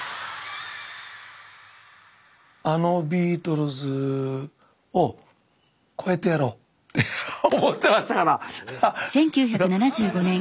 あのビートルズを超えてやろうって思ってましたから。